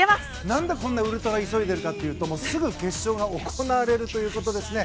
なんでこんなにウルトラ急いでいるかというとすぐ決勝が行われるということですね